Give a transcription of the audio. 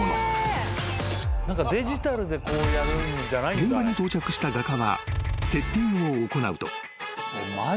［現場に到着した画家はセッティングを行うと］